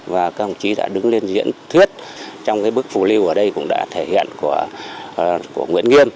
và các ông chí đã đứng lên diễn thuyết trong bức phù lưu ở đây cũng đã thể hiện của nguyễn nghiêm